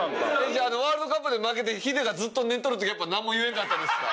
じゃあワールドカップで負けてヒデがずっと寝とる時やっぱなんも言えんかったですか？